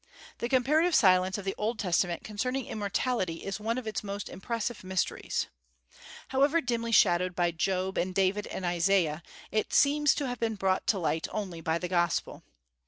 The comparative silence of the Old Testament concerning immortality is one of its most impressive mysteries. However dimly shadowed by Job and David and Isaiah, it seems to have been brought to light only by the gospel.